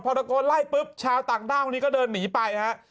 พอตะโกนไล่ปุ๊บชาวต่างด้าวคนนี้ก็เดินหนีไปฮะ